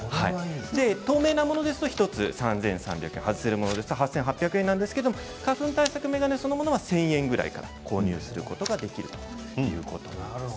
透明なものですと１つ３３００円外せるものですと８８００円なんですが花粉対策眼鏡は１０００円ぐらいから購入することができるということです。